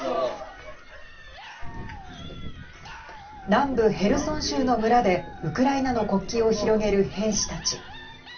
南部ヘルソン州の村でウクライナの国旗を広げる兵士たち